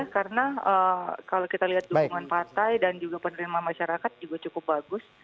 karena kalau kita lihat dukungan partai dan juga penerima masyarakat juga cukup bagus